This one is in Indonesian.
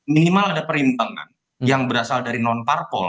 minimal ada perimbangan yang berasal dari non parpol